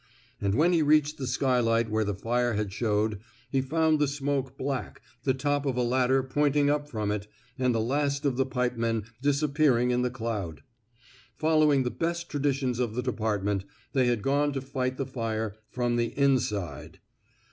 And when he reached the skylight where the fire had showed, he found the smoke black, the top of a ladder pointing up from it, and the last of the pipemen disappearing in the cloud. Following the best traditions of the depart ment, they had gone to fight the fire from the inside.